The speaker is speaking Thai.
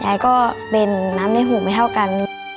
ยายก็เป็นน้ำในหูไม่เท่ากัน